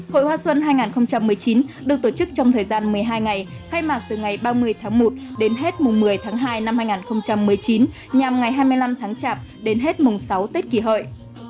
hội hoa xuân hai nghìn một mươi chín được tổ chức trong thời gian một mươi hai ngày khai mạc từ ngày ba mươi tháng một đến hết mùng một mươi tháng hai năm hai nghìn một mươi chín nhằm ngày hai mươi năm tháng chạp đến hết mùng sáu tết kỷ hợi